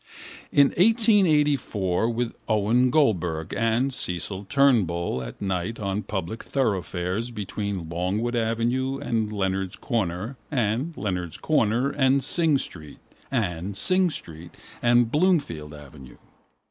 In 1884 with Owen Goldberg and Cecil Turnbull at night on public thoroughfares between Longwood avenue and Leonard's corner and Leonard's corner and Synge street and Synge street and Bloomfield avenue.